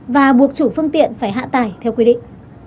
và buộc chủ phương tiện phải hạ tải theo quy định